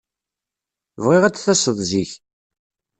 Bɣiɣ ad d-taseḍ zik.